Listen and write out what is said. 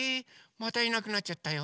⁉またいなくなっちゃったよ。